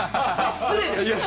失礼ですよ。